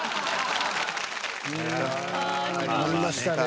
ありましたね。